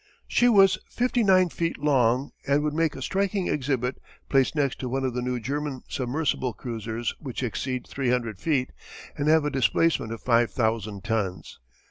She was 59 feet long and would make a striking exhibit placed next to one of the new German submersible cruisers which exceed 300 feet and have a displacement of 5000 tons.